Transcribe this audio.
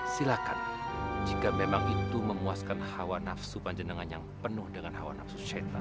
silahkan jika memang itu memuaskan hawa nafsu panjendengan yang penuh dengan hawa nafsu syaitan